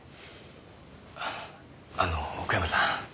あの奥山さん。